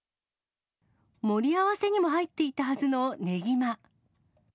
盛り合わせにも入っていたはずのねぎま。